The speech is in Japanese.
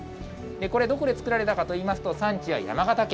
これ、どこで作られたかといいますと、産地は山形県。